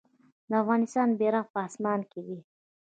د افغانستان بیرغ په اسمان کې دی